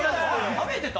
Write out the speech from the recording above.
食べてた？